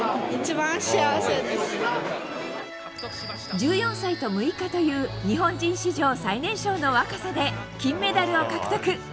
１４歳と６日という日本人史上最年少の若さで金メダルを獲得。